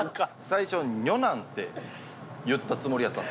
最初に「女男」って言ったつもりやったんですよ。